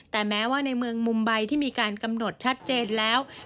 แต่แม้ว่าในเมืองมุมใบที่มีการกำหนดชัดเจนแล้ว